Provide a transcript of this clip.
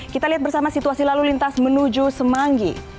kita lihat bersama situasi lalu lintas menuju semanggi